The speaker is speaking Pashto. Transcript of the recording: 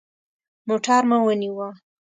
موټر مو ونیوه.